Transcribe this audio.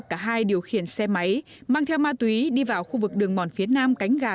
cả hai điều khiển xe máy mang theo ma túy đi vào khu vực đường mòn phía nam cánh gà